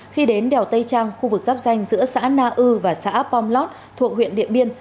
khi đến đèo tây trang khu vực giáp danh giữa xã na ư và xã pomlot thuộc huyện điện biên